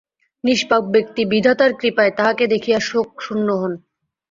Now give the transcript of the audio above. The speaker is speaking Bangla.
নিষ্পাপ ব্যক্তি বিধাতার কৃপায় তাঁহাকে দেখিয়া শোকশূন্য হন।